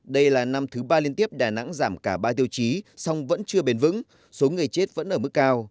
đây là năm thứ ba liên tiếp đà nẵng giảm cả ba tiêu chí song vẫn chưa bền vững số người chết vẫn ở mức cao